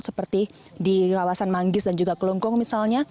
seperti di kawasan manggis dan juga kelunggong misalnya